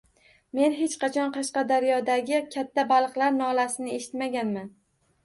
Men hech qachon Qashqadaryodagi katta baliqlar nolasini eshitmaganman